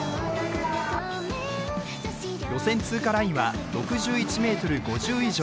予選通過ラインは６１ｍ５０以上。